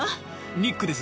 ニックです。